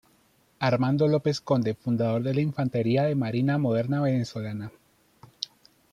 Armando López Conde, fundador de la Infantería de Marina Moderna venezolana.